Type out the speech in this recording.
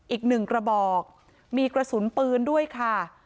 อีกหนึ่งกระบอกมีกระสุนปืนด้วยค่ะ